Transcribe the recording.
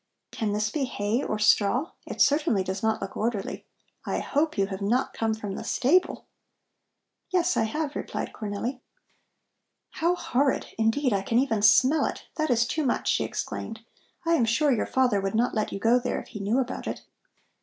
"Can this be hay or straw? It certainly does not look orderly. I hope you have not come from the stable!" "Yes, I have," replied Cornelli. "How horrid! Indeed, I can even smell it. That is too much!" she exclaimed. "I am sure your father would not let you go there if he knew about it."